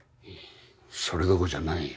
それどころじゃないよ。